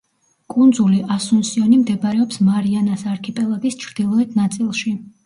კუნძული ასუნსიონი მდებარეობს მარიანას არქიპელაგის ჩრდილოეთ ნაწილში.